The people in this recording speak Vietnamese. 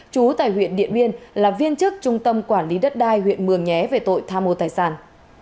chú tại huyện điện biên là viên chức trung tâm quản lý đất đai huyện mường nhé về tội tham mô tài sản